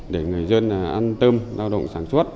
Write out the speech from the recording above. để người dân ăn tơm lao động sản xuất